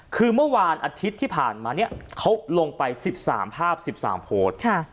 คือเมื่อวานอาทิตย์ที่ผ่านมาเนี่ยเขาลงไป๑๓ภาพ๑๓โพสต์